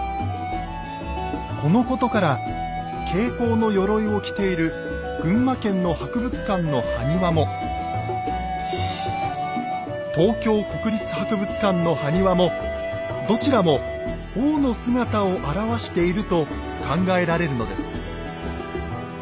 このことから挂甲のよろいを着ている群馬県の博物館の埴輪も東京国立博物館の埴輪もどちらも王の姿を表していると考えられるのです。